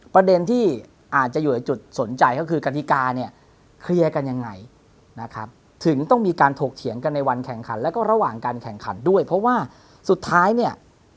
ประเด็นที่อาจจะอยู่ในจุดสนใจก็คือกฎิกาเนี่ยเคลียร์กันยังไงนะครับถึงต้องมีการถกเถียงกันในวันแข่งขันแล้วก็ระหว่างการแข่งขันด้วยเพราะว่าสุดท้ายเนี่ย